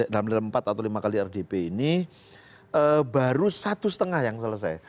dalam empat atau lima kali rdp ini baru satu setengah yang selesai